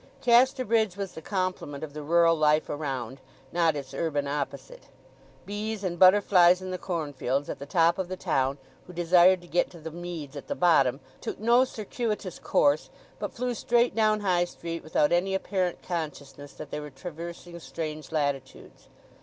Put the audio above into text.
Casterbridge was the complement of the rural life around, not its urban opposite. Bees and butterflies in the cornfields at the top of the town, who desired to get to the meads at the bottom, took no circuitous course, but flew straight down High Street without any apparent consciousness that they were traversing strange latitudes.